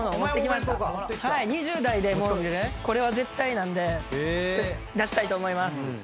２０代でこれは絶対なんでちょっと出したいと思います。